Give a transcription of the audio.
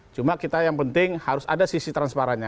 cuma kita yang penting harus ada sisi transparannya